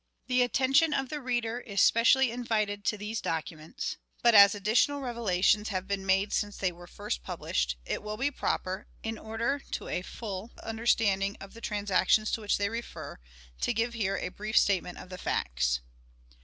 The attention of the reader is specially invited to these documents, but, as additional revelations have been made since they were first published, it will be proper, in order to a full understanding of the transactions to which they refer, to give here a brief statement of the facts.